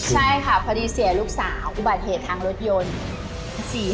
ใช่ค่ะพอดีเสียลูกสาวอุบัติเหตุทางรถยนต์